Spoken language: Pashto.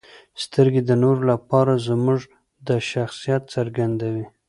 • سترګې د نورو لپاره زموږ د شخصیت څرګندوي.